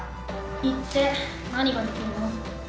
行って何ができるの？